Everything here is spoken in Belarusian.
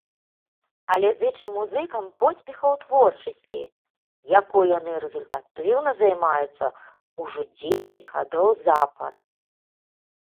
Але зычым музыкам поспехаў у творчасці, якой яны рэзультатыўна займаюцца ўжо дзесяць гадоў запар.